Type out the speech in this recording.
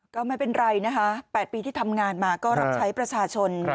ก็ไม่เป็นไรนะคะ๘ปีที่ทำงานมาก็รับใช้ประชาชน